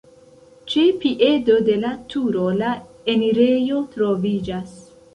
Ĉe piedo de la turo la enirejo troviĝas.